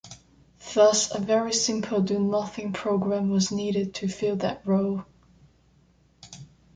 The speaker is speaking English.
Thus a very simple do-nothing program was needed to fill that role.